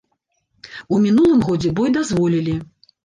У мінулым годзе бой дазволілі.